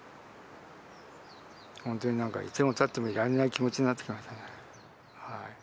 本当になんか、いてもたってもいられない気持ちになってきましたね。